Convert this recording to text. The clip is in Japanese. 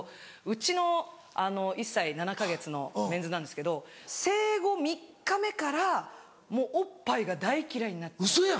うちの１歳７か月のメンズなんですけど生後３日目からもうおっぱいが大嫌いになっちゃって。